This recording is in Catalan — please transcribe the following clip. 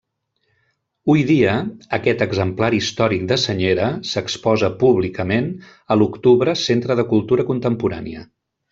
Hui dia aquest exemplar històric de senyera s'exposa públicament a l'Octubre Centre de Cultura Contemporània.